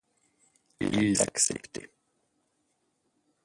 Il l'acceptait.